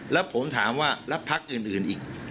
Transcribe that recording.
แล้วผมถามว่าแล้วพักอื่นอีก